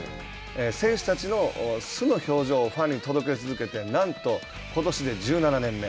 選手たちの素の表情をファンに届け続けてなんと、ことしで１７年目。